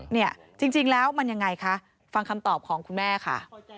เนี่ยจริงแล้วมันยังไงคะฟังคำตอบของคุณแม่ค่ะ